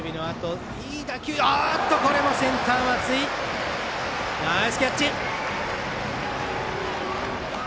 センター、松井ナイスキャッチ！